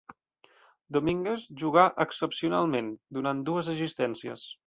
Domínguez jugà excepcionalment, donant dues assistències.